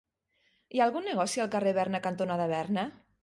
Hi ha algun negoci al carrer Berna cantonada Berna?